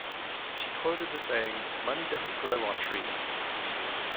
She quoted the saying: money doesn't grow on trees.